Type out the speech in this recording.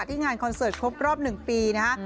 ที่งานคอนเสิร์ตครบรอบหนึ่งปีนะค่ะ